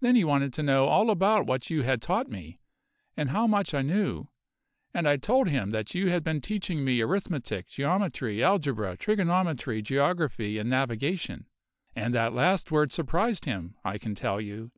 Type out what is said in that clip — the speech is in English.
Then he wanted to know all about what you had taught me, and how much I knew; and I told him that you had been teaching me arithmetic, geometry, algebra, trigonometry, geography, and navigation; and that last word surprised him, I can tell you.